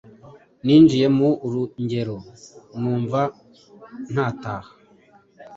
Ninjiye mu ruengero, numva ntataha